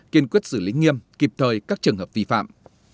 kiên quyết xử lý nghiêm kịp thời các trường hợp vi phạm